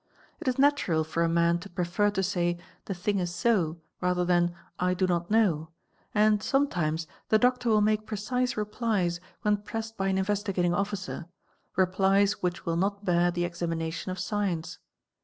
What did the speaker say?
It is natural for a man to— prefer to say "the thing is so" rather than "I do not know" and, some times, the doctor will make precise replies when pressed by an Investi gating Officer, replies which will not bear the examination of science.